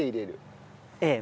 ええ。